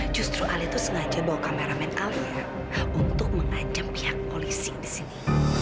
justru alia tuh sengaja bawa kameramen alia untuk mengajam pihak polisi di sini